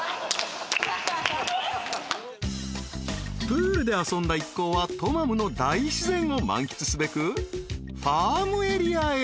［プールで遊んだ一行はトマムの大自然を満喫すべくファームエリアへ］